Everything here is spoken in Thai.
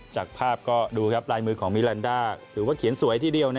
จากภาพก็ดูครับลายมือของมิลันดาถือว่าเขียนสวยทีเดียว